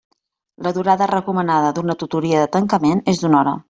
La durada recomanada d'una tutoria de tancament és d'una hora.